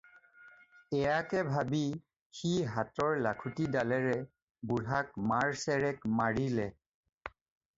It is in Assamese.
এয়াকে ভাবি সি হাতৰ লাখুটিডালেৰে বুঢ়াক মাৰ চেৰেক মাৰিলে।